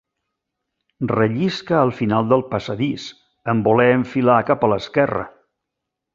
Rellisca al final del passadís, en voler enfilar cap a l'esquerra.